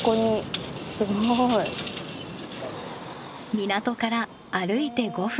港から歩いて５分。